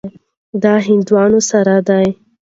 دا هندوانه سره ده.